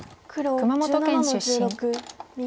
熊本県出身。